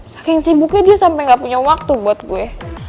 saking sibuknya dia sampai gak punya waktu buat gue